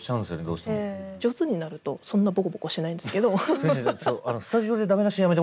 上手になるとそんなボコボコしないんですけど。